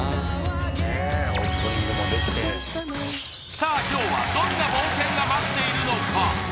さあ今日はどんな冒険が待っているのか？